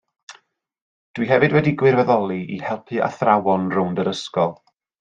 Dwi hefyd wedi gwirfoddoli i helpu athrawon rownd yr ysgol